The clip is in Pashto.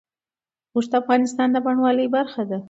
اوښ د افغانستان د بڼوالۍ برخه ده.